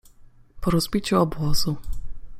po rozbiciu obozu.